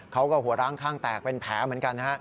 เขาก็หัวล้างคล่างแตกเป็นแผลเหมือนกัน